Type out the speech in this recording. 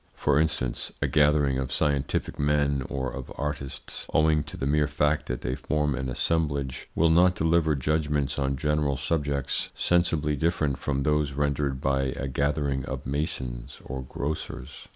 For instance, a gathering of scientific men or of artists, owing to the mere fact that they form an assemblage, will not deliver judgments on general subjects sensibly different from those rendered by a gathering of masons or grocers.